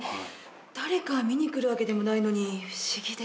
誰か見に来るわけでもないのに不思議で。